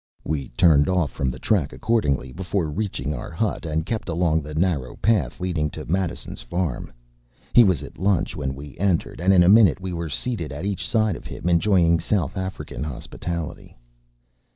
” We turned off from the track accordingly, before reaching our hut, and kept along the narrow path leading to Madison’s farm. He was at lunch when we entered; and in a minute we were seated at each side of him, enjoying South African hospitality.